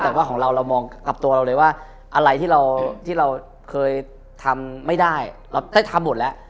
แต่ว่าของเราเรามองกับตัวเราเลยว่าอะไรที่เราเคยทำไม่ได้เราได้ทำหมดแล้ว